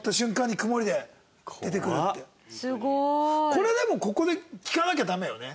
これでもここで聞かなきゃダメよね？